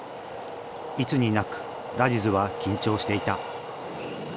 いつになくラジズは緊張していた。